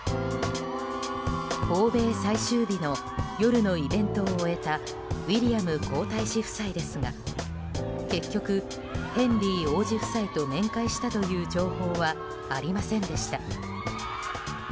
訪米最終日の夜のイベントを終えたウィリアム皇太子夫妻ですが結局、ヘンリー王子夫妻と面会したという情報はありませんでした。